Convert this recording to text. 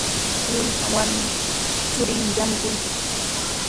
Luispa warmi churinmi yanukuykan.